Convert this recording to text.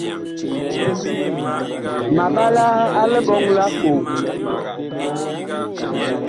Ma mɓalaa a liɓɔŋ lʼ akoo.